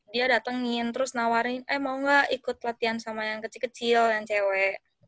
dia datengin terus nawarin eh mau gak ikut latihan sama yang kecil kecil yang cewek